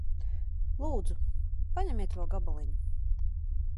Lūdzu. Paņemiet vēl gabaliņu.